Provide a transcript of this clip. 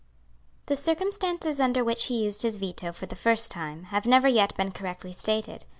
The circumstances under which he used his Veto for the first time have never yet been correctly stated.